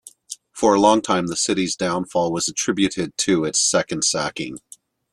For a long time, the city's downfall was attributed to its second sacking.